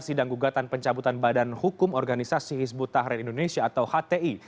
sidang gugatan pencabutan badan hukum organisasi hizbut tahrir indonesia atau hti